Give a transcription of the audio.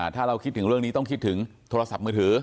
ถ้าเราคิดถึงเรื่องนี้ต้องคิดถึงโทรศัพท์มือถือ